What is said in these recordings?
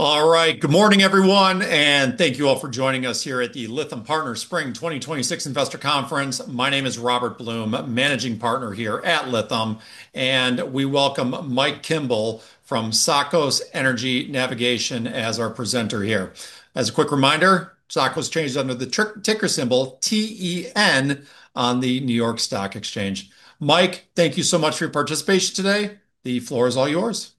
All right. Good morning, everyone, and thank you all for joining us here at the Lytham Partners Spring 2026 Investor Conference. My name is Robert Blum, Managing Partner here at Lytham, and we welcome Mike Kimble from Tsakos Energy Navigation as our presenter here. As a quick reminder, Tsakos trades under the ticker symbol TEN on the New York Stock Exchange. Mike, thank you so much for your participation today. The floor is all yours.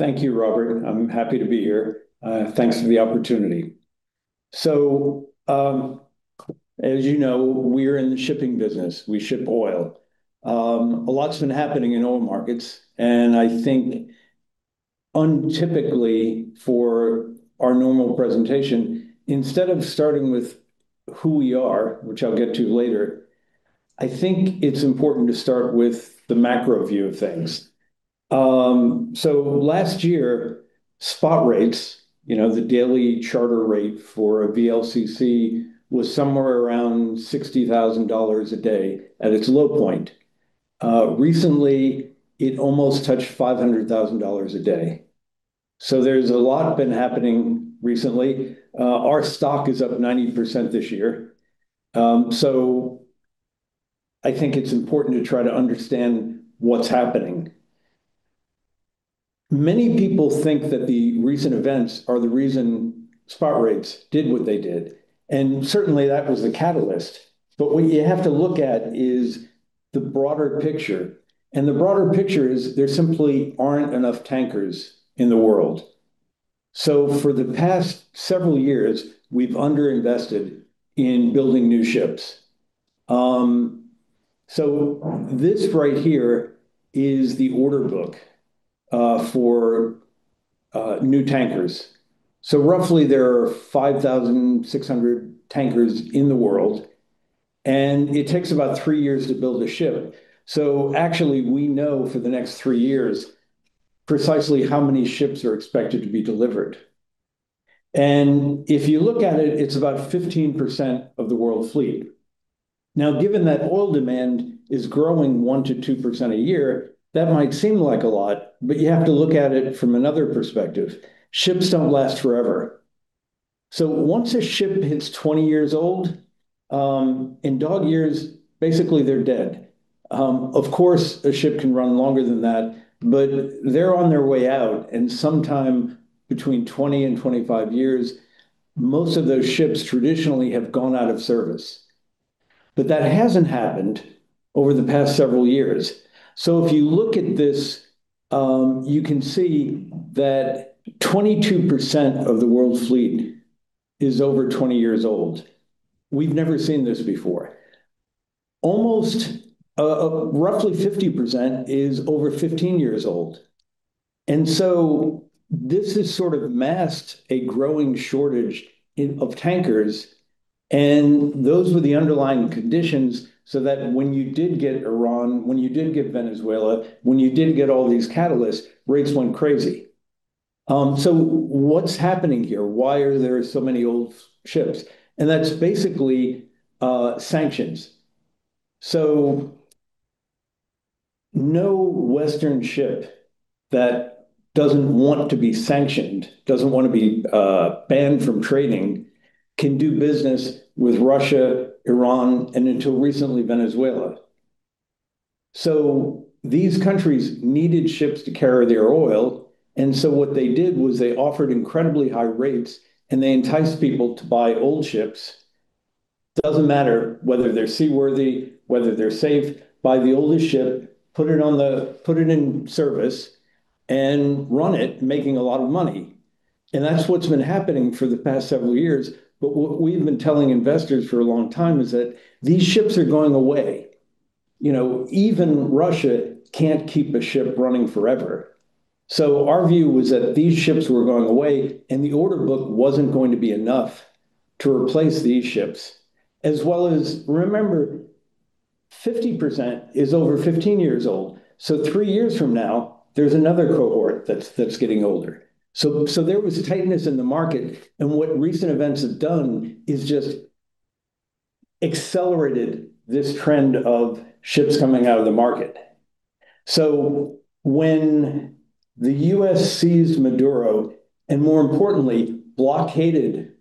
Thank you, Robert. I'm happy to be here. Thanks for the opportunity. As you know, we're in the shipping business. We ship oil. A lot's been happening in oil markets, and I think untypically for our normal presentation, instead of starting with who we are, which I'll get to later, I think it's important to start with the macro view of things. Last year, spot rates, the daily charter rate for a VLCC, was somewhere around $60,000 a day at its low point. Recently, it almost touched $500,000 a day. There's a lot been happening recently. Our stock is up 90% this year. I think it's important to try to understand what's happening. Many people think that the recent events are the reason spot rates did what they did, and certainly that was the catalyst, but what you have to look at is the broader picture. The broader picture is there simply aren't enough tankers in the world. For the past several years, we've underinvested in building new ships. This right here is the order book for new tankers. Roughly there are 5,600 tankers in the world, and it takes about three years to build a ship. Actually, we know for the next three years precisely how many ships are expected to be delivered. If you look at it's about 15% of the world fleet. Given that oil demand is growing 1%-2% a year, that might seem like a lot, but you have to look at it from another perspective. Ships don't last forever. Once a ship hits 20 years old, in dog years, basically they're dead. Of course, a ship can run longer than that, but they're on their way out and sometime between 20 and 25 years, most of those ships traditionally have gone out of service. That hasn't happened over the past several years. If you look at this, you can see that 22% of the world's fleet is over 20 years old. We've never seen this before. Roughly 50% is over 15 years old, and so this has sort of masked a growing shortage of tankers, and those were the underlying conditions so that when you did get Iran, when you did get Venezuela, when you did get all these catalysts, rates went crazy. What's happening here? Why are there so many old ships? That's basically sanctions. No Western ship that doesn't want to be sanctioned, doesn't want to be banned from trading, can do business with Russia, Iran, and until recently, Venezuela. These countries needed ships to carry their oil, and so what they did was they offered incredibly high rates, and they enticed people to buy old ships. Doesn't matter whether they're seaworthy, whether they're safe. Buy the oldest ship, put it in service, and run it making a lot of money. That's what's been happening for the past several years. What we've been telling investors for a long time is that these ships are going away. Even Russia can't keep a ship running forever. Our view was that these ships were going away, and the order book wasn't going to be enough to replace these ships. As well as remember, 50% is over 15 years old. Three years from now, there's another cohort that's getting older. There was a tightness in the market, and what recent events have done is just accelerated this trend of ships coming out of the market. When the U.S. seized Maduro, and more importantly, blockaded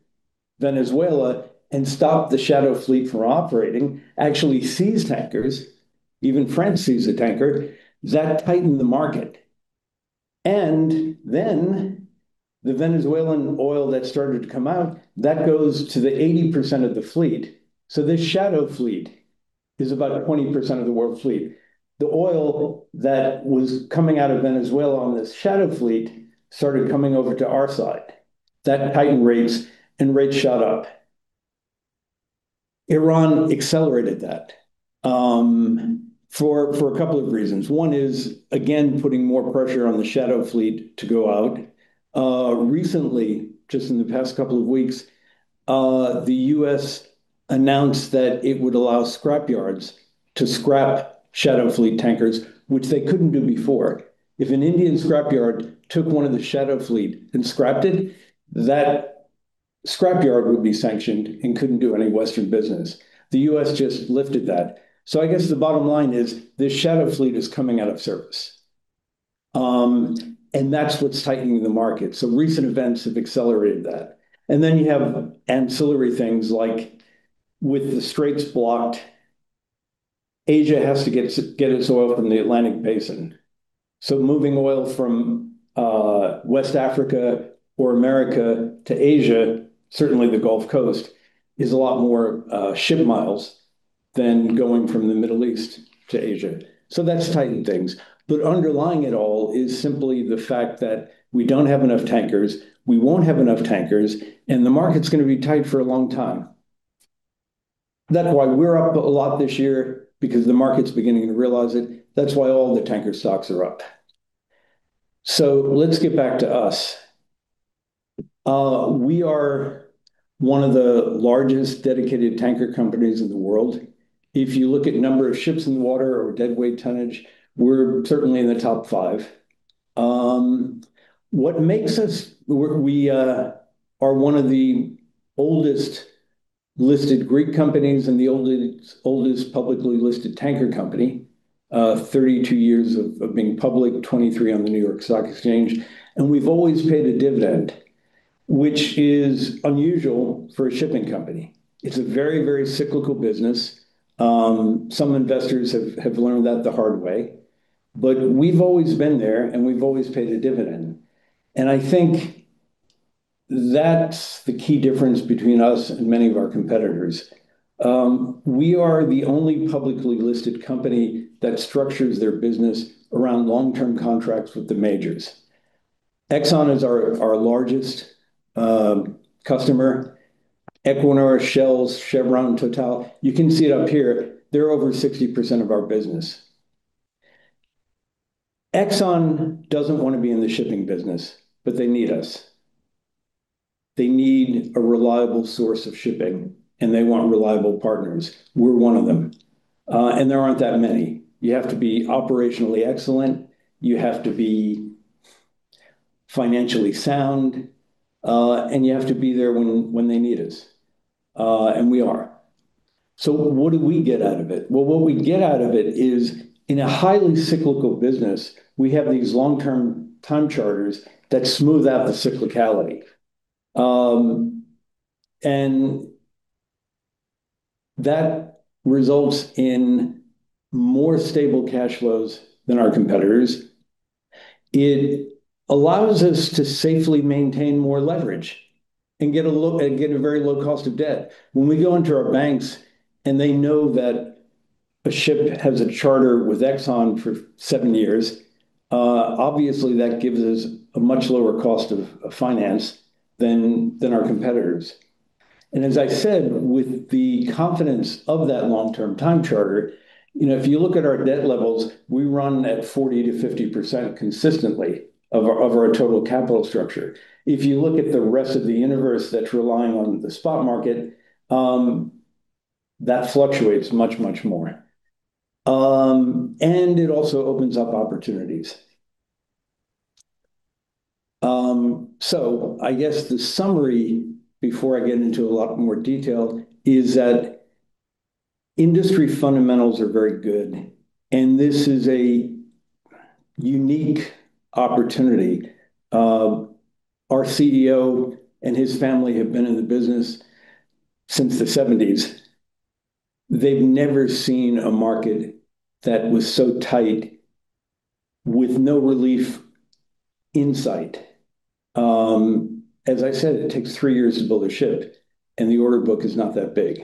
Venezuela and stopped the shadow fleet from operating, actually seized tankers, even France seized a tanker, that tightened the market. Then the Venezuelan oil that started to come out, that goes to the 80% of the fleet. This shadow fleet is about 20% of the world fleet. The oil that was coming out of Venezuela on this shadow fleet started coming over to our side. That tightened rates, and rates shot up. Iran accelerated that for a couple of reasons. One is, again, putting more pressure on the shadow fleet to go out. Recently, just in the past couple of weeks, the U.S. announced that it would allow scrapyards to scrap shadow fleet tankers, which they couldn't do before. If an Indian scrapyard took one of the shadow fleet and scrapped it, that scrapyard would be sanctioned and couldn't do any Western business. The U.S. just lifted that. I guess the bottom line is this shadow fleet is coming out of service, and that's what's tightening the market. Recent events have accelerated that. You have ancillary things like with the Straits blocked, Asia has to get its oil from the Atlantic Basin. Moving oil from West Africa or America to Asia, certainly the Gulf Coast, is a lot more ship miles than going from the Middle East to Asia. That's tightened things. Underlying it all is simply the fact that we don't have enough tankers, we won't have enough tankers, and the market's going to be tight for a long time. That's why we're up a lot this year, because the market's beginning to realize it. That's why all the tanker stocks are up. Let's get back to us. We are one of the largest dedicated tanker companies in the world. If you look at number of ships in the water or deadweight tonnage, we're certainly in the top five. We are one of the oldest listed Greek companies and the oldest publicly listed tanker company, 32 years of being public, 23 on the New York Stock Exchange, and we've always paid a dividend, which is unusual for a shipping company. It's a very, very cyclical business. Some investors have learned that the hard way. We've always been there, and we've always paid a dividend. I think that's the key difference between us and many of our competitors. We are the only publicly listed company that structures their business around long-term contracts with the majors. Exxon is our largest customer. Equinor, Shell, Chevron, Total. You can see it up here. They're over 60% of our business. Exxon doesn't want to be in the shipping business, but they need us. They need a reliable source of shipping, and they want reliable partners. We're one of them. There aren't that many. You have to be operationally excellent. You have to be financially sound. You have to be there when they need us. We are. What do we get out of it? Well, what we get out of it is in a highly cyclical business, we have these long-term time charters that smooth out the cyclicality. That results in more stable cash flows than our competitors. It allows us to safely maintain more leverage and get a very low cost of debt. When we go into our banks and they know that a ship has a charter with Exxon for seven years, obviously that gives us a much lower cost of finance than our competitors. As I said, with the confidence of that long-term time charter, if you look at our debt levels, we run at 40%-50% consistently of our total capital structure. If you look at the rest of the universe that's relying on the spot market, that fluctuates much, much more. It also opens up opportunities. I guess the summary, before I get into a lot more detail, is that industry fundamentals are very good, and this is a unique opportunity. Our CEO and his family have been in the business since the 1970s. They've never seen a market that was so tight with no relief in sight. As I said, it takes three years to build a ship, and the order book is not that big.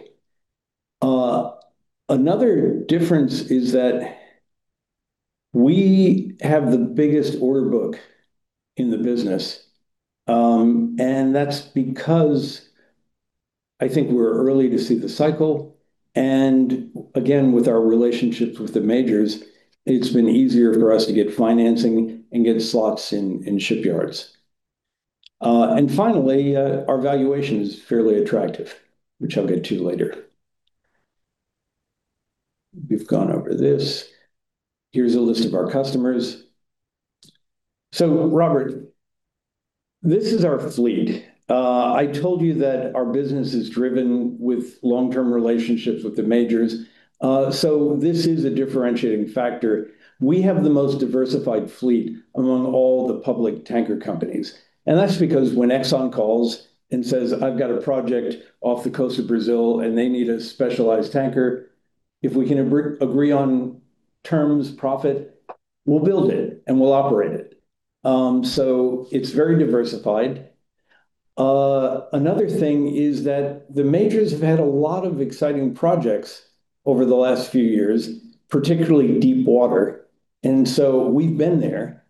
Another difference is that we have the biggest order book in the business, and that's because I think we're early to see the cycle, and again, with our relationships with the majors, it's been easier for us to get financing and get slots in shipyards. Finally, our valuation is fairly attractive, which I'll get to later. We've gone over this. Here's a list of our customers. Robert, this is our fleet. I told you that our business is driven with long-term relationships with the majors. This is a differentiating factor. We have the most diversified fleet among all the public tanker companies. That's because when Exxon calls and says, I've got a project off the coast of Brazil, and they need a specialized tanker, if we can agree on terms, profit, we'll build it and we'll operate it. It's very diversified. Another thing is that the majors have had a lot of exciting projects over the last few years, particularly deep water, we've been there.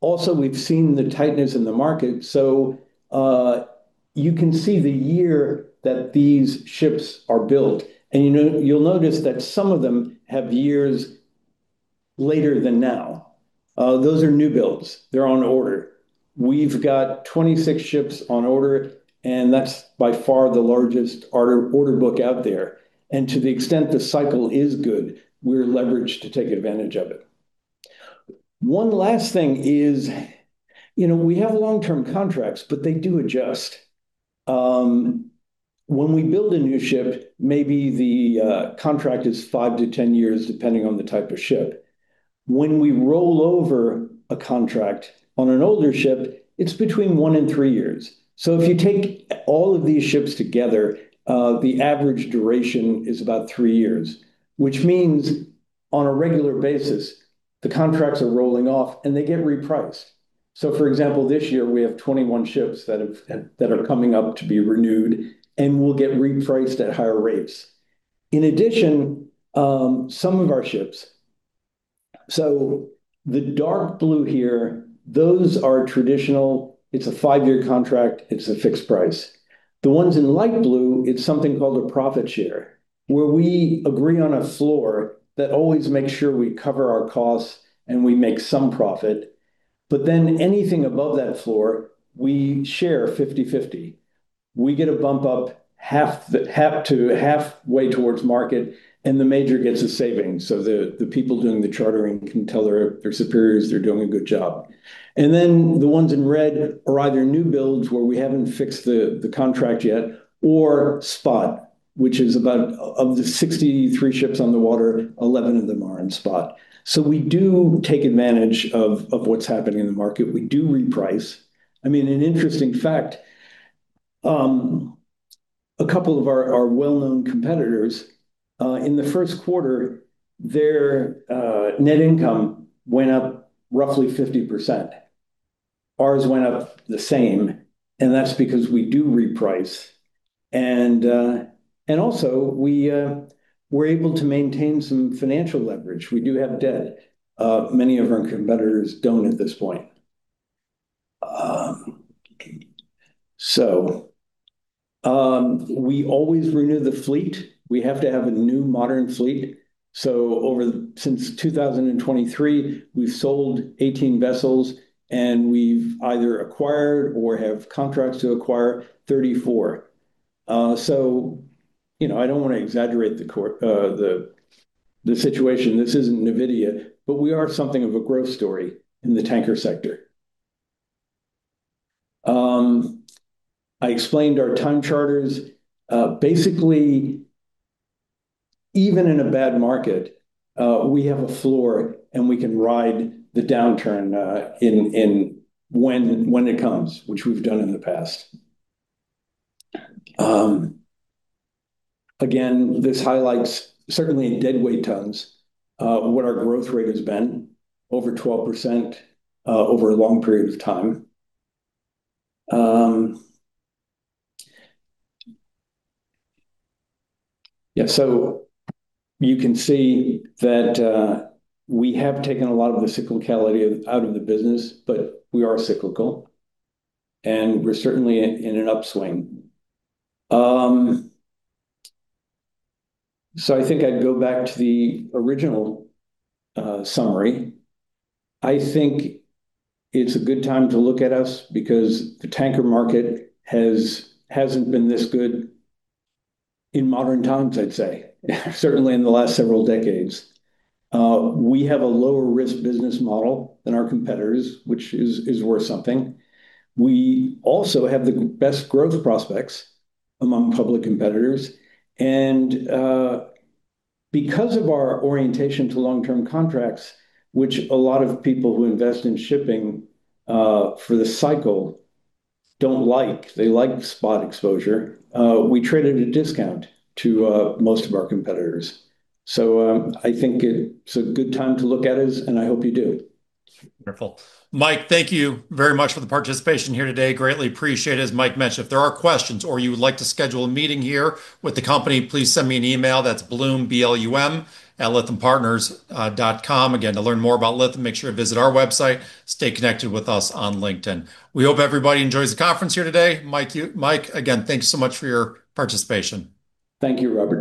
Also, we've seen the tightness in the market, so you can see the year that these ships are built, and you'll notice that some of them have years later than now. Those are new builds. They're on order. We've got 26 ships on order, that's by far the largest order book out there. To the extent the cycle is good, we're leveraged to take advantage of it. One last thing is we have long-term contracts, they do adjust. When we build a new ship, maybe the contract is five to 10 years, depending on the type of ship. When we roll over a contract on an older ship, it's between one and three years. If you take all of these ships together, the average duration is about three years, which means on a regular basis, the contracts are rolling off and they get repriced. For example, this year we have 21 ships that are coming up to be renewed and will get repriced at higher rates. In addition, some of our ships, the dark blue here, those are traditional. It's a five-year contract. It's a fixed price. The ones in light blue, it's something called a profit share, where we agree on a floor that always makes sure we cover our costs and we make some profit. Anything above that floor, we share 50/50. We get a bump up half way towards market, and the major gets a saving. The people doing the chartering can tell their superiors they're doing a good job. The ones in red are either new builds where we haven't fixed the contract yet or spot, which is about, of the 63 ships on the water, 11 of them are in spot. We do take advantage of what's happening in the market. We do reprice. An interesting fact, a couple of our well-known competitors, in the first quarter their net income went up roughly 50%. Ours went up the same, and that's because we do reprice, and also we're able to maintain some financial leverage. We do have debt. Many of our competitors don't at this point. We always renew the fleet. We have to have a new modern fleet. Since 2023, we've sold 18 vessels, and we've either acquired or have contracts to acquire 34. I don't want to exaggerate the situation. This isn't NVIDIA, but we are something of a growth story in the tanker sector. I explained our time charters. Basically, even in a bad market, we have a floor and we can ride the downturn when it comes, which we've done in the past. Again, this highlights certainly in deadweight tons what our growth rate has been, over 12% over a long period of time. You can see that we have taken a lot of the cyclicality out of the business, but we are cyclical, and we're certainly in an upswing. I think I'd go back to the original summary. I think it's a good time to look at us because the tanker market hasn't been this good in modern times, I'd say certainly in the last several decades. We have a lower risk business model than our competitors, which is worth something. We also have the best growth prospects among public competitors. Because of our orientation to long-term contracts, which a lot of people who invest in shipping for the cycle don't like, they like spot exposure, we trade at a discount to most of our competitors. I think it's a good time to look at us, and I hope you do. Wonderful. Mike, thank you very much for the participation here today. Greatly appreciate. As Mike mentioned, if there are questions or you would like to schedule a meeting here with the company, please send me an email. That's Blum, B-L-U-M, @lythampartners.com. Again, to learn more about Lytham, make sure to visit our website. Stay connected with us on LinkedIn. We hope everybody enjoys the conference here today. Mike, again, thanks so much for your participation. Thank you, Robert